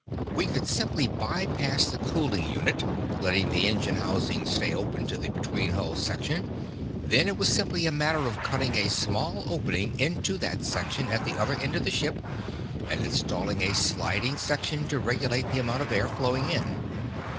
We could simply bypass the cooling unit, letting the engine housings stay open to the between hulls section; then it was simply a matter of cutting a small opening into that section at the other end of the ship and installing a sliding section to regulate the amount of air flowing in.